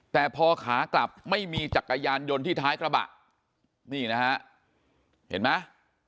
แต่พอขากลับไม่มีจักรยานยนต์ที่ท้ายกระบะนี่นะฮะเห็นไหม